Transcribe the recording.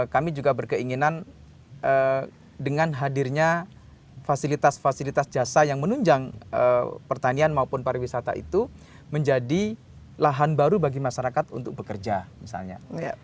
kami juga berkeinginan dengan hadirnya fasilitas fasilitas jasa yang menunjang pertanian maupun pariwisata itu menjadi lahan baru bagi masyarakat untuk bekerja misalnya